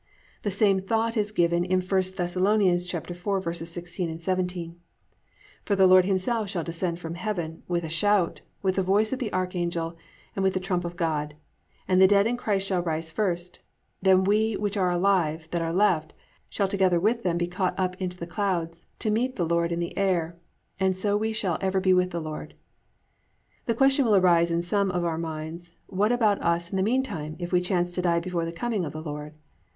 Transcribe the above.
The same thought is given in I Thess. 4:16, 17: +"For the Lord Himself shall descend from heaven, with a shout, with the voice of the archangel, and with the trump of God: and the dead in Christ shall rise first; then we which are alive, that are left, shall together with them be caught up in the clouds, to meet the Lord in the air: and so shall we ever be with the Lord."+ The question will arise in some of our minds, what about us in the meantime if we chance to die before the coming of the Lord?